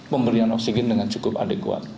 pemberian oksigen dengan cukup adekuat